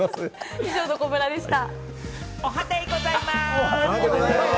以上、どこブラでした。